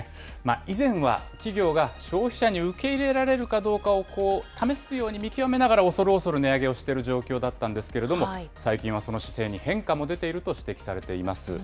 以前は、企業が消費者に受け入れられるかどうかを、試すように見極めながら恐る恐る値上げをしている状況だったんですけれども、最近はその姿勢に変化も出ていると指摘されています。